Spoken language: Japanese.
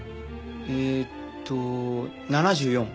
えっと７４。